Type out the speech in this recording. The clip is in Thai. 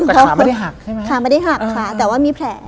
ขาไม่ได้หักใช่ไหมขาไม่ได้หักค่ะแต่ว่ามีแผล